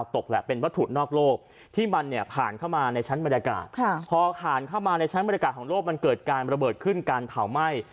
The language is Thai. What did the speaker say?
ถ้ามาในชั้นบริการของโลกมันเกิดการระเบิดขึ้นการเผาไหม้